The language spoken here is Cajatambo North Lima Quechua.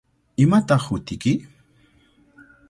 ¿Imataq hutiyki?